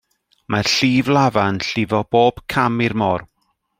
Mae'r llif lafa yn llifo bob cam i'r môr.